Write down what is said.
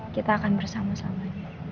kita akan bersama sama